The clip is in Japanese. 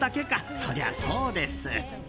そりゃそうです。